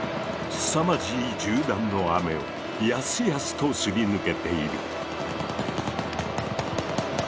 すさまじい銃弾の雨をやすやすとすり抜けている。